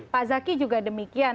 pak zaky juga demikian